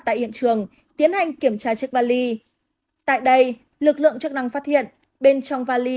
tại hiện trường tiến hành kiểm tra chiếc vali tại đây lực lượng chức năng phát hiện bên trong vali